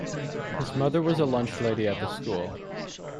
His mother was a lunch lady at the school.